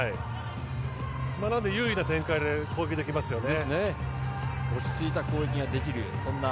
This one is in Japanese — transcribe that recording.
なので優位な展開で攻撃できますね。